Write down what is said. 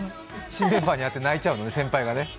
新メンバーに会って泣いちゃうのね、先輩がね。